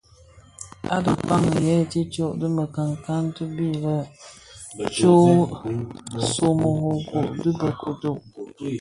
A dhikpää, yè tishyō ti mekankan ti bë lè Ntsomorogo dhi bë ködő.